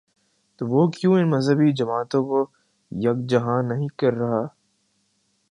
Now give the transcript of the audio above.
تو وہ کیوں ان مذہبی جماعتوں کو یک جا نہیں کر رہا؟